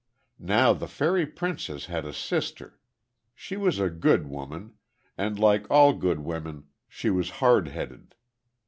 Now the fairy princess had a sister. She was a good woman; and, like all good women, she was hard headed.